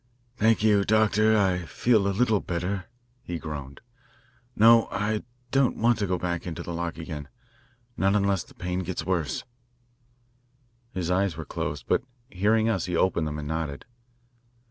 "Thank you, Doctor, I feel a little better," he groaned. "No, I don't want to go back into the lock again, not unless the pain gets worse." His eyes were closed, but hearing us he opened them and nodded.